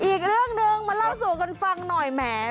อีกเรื่องหนึ่งมาเล่าสู่กันฟังหน่อยแหม